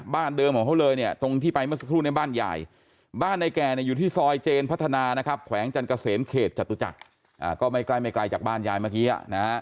บ้านเดิมของเขาเลยเนี่ยตรงที่ไปเมื่อสักครู่ในบ้านใหญ่